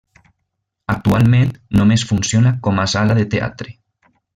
Actualment només funciona com a sala de teatre.